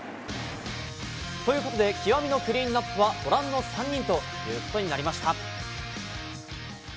ということで、極みのクリーンナップは、ご覧の３人ということになりました。